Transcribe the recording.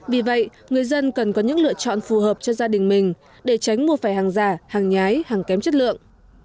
vì vậy người dân cần có những lựa chọn phù hợp cho gia đình mình để tránh mua phải hàng giả hàng nhái hàng kém chất lượng